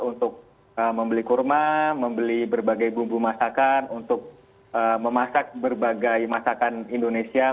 untuk membeli kurma membeli berbagai bumbu masakan untuk memasak berbagai masakan indonesia